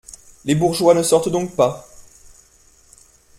Les bourgeois ne sortent donc pas ?